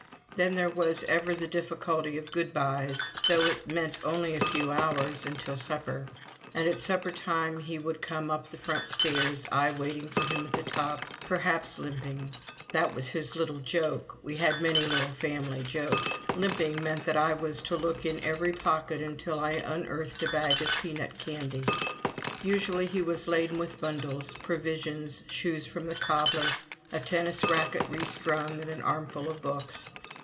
Then there was ever the difficulty of good byes, though it meant only for a few hours, until supper. And at supper time he would come up the front stairs, I waiting for him at the top, perhaps limping. That was his little joke we had many little family jokes. Limping meant that I was to look in every pocket until I unearthed a bag of peanut candy. Usually he was laden with bundles provisions, shoes from the cobbler, a tennis racket restrung, and an armful of books.